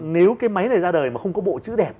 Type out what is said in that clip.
nếu cái máy này ra đời mà không có bộ chữ đẹp